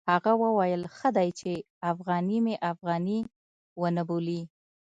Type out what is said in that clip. هغه وویل ښه دی چې افغاني مې افغاني ونه بولي.